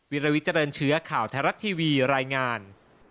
วิลวิเจริญเชื้อข่าวไทยรัฐทีวีรายงาน